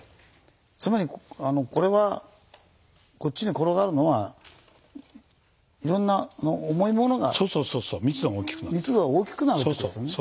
つまりこれはこっちに転がるのはそうそうそうそう密度が大きくなるという。